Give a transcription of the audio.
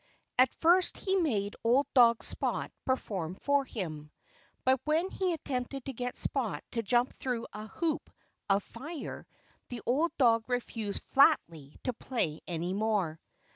At first he made old dog Spot perform for him. But when he attempted to get Spot to jump through a hoop of fire the old dog refused flatly to play any more.